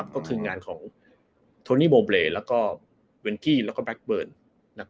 ก็คืองานของโทนี่โบเบลแล้วก็เวนกี้แล้วก็แก๊กเบิร์น